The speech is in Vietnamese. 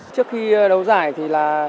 trước khi đấu giải thì là